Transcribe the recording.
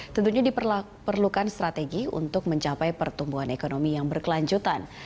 tentunya diperlukan strategi untuk mencapai pertumbuhan ekonomi yang berkelanjutan